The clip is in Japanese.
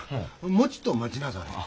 もちっとお待ちなされ。